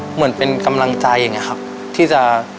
เหมือนเป็นกำลังใจอย่างนี้ครับที่จะ